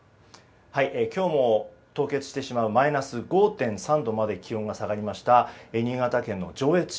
今日も凍結してしまうマイナス５．３度まで気温が下がりました新潟県の上越市。